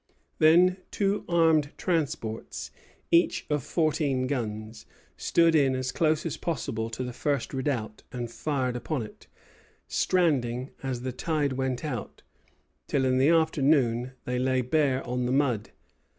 Then two armed transports, each of fourteen guns, stood in as close as possible to the first redoubt and fired upon it, stranding as the tide went out, till in the afternoon they lay bare upon the mud.